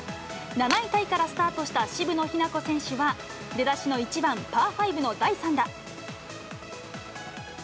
７位タイからスタートした渋野日向子選手は、出だしの１番パーファイブの第３打。